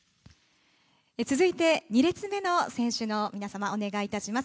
続いて、２列目の選手の皆様お願いいたします。